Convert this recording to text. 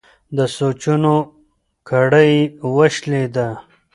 د سوچونو کړۍ یې وشلېده.